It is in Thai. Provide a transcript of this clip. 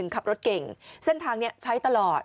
ขับรถเก่งเส้นทางนี้ใช้ตลอด